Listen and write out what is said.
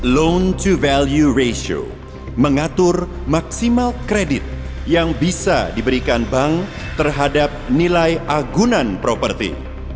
loan to value ratio mengatur maksimal kredit yang bisa diberikan bank terhadap nilai agunan properti